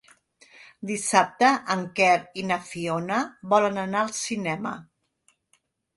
Dissabte en Quer i na Fiona volen anar al cinema.